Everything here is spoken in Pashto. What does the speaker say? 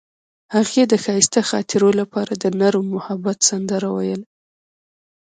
هغې د ښایسته خاطرو لپاره د نرم محبت سندره ویله.